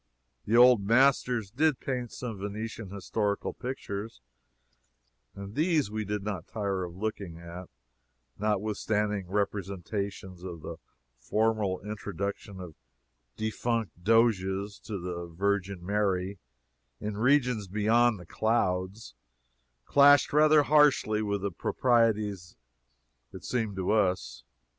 The old masters did paint some Venetian historical pictures, and these we did not tire of looking at, notwithstanding representations of the formal introduction of defunct doges to the Virgin Mary in regions beyond the clouds clashed rather harshly with the proprieties, it seemed to us.